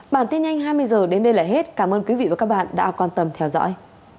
bản tin nhanh hai mươi h đến đây là hết cảm ơn quý vị và các bạn đã quan tâm theo dõi